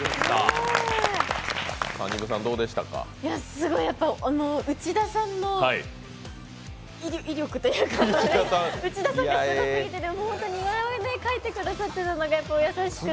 すごい内田さんの威力というか内田さんがすごすぎて似顔絵描いてくださっていて、優しくて。